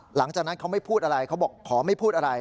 หลังจากนั้นเขาไม่พูดอะไรเขาบอกขอไม่พูดอะไร